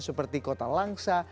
seperti kota langsha